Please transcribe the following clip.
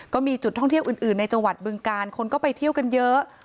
ก็มีจุดท่องเที่ยวอื่นในจังหวัดบึงการคนก็ไปเที่ยวกันเยอะ